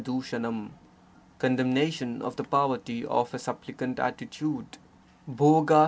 l u l*i < condem nation of the poverty of a supplicant attitude; WlWfa